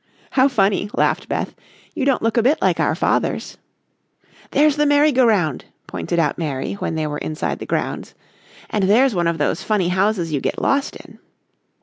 "How funny!" laughed Beth. "You don't look a bit like our fathers." "There's the merry go round," pointed out Mary when they were inside the grounds, "and there's one of those funny houses you get lost in."